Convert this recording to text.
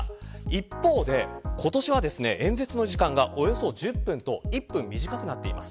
一方で今年は、演説の時間がおよそ１０分と１分短くなっています。